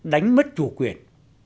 đánh mất chủ quyền